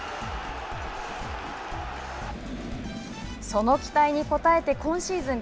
その期待に応えて、今シーズン